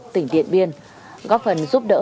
tỉnh điện biên góp phần giúp đỡ